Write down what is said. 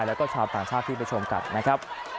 แล้วก็ชาวต่างชาติที่ไปชมกันนะครับ